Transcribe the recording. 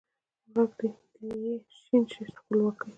ږغ د ې شین شه خپلواکۍ